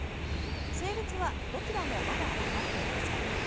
性別はどちらもまだわかっていません。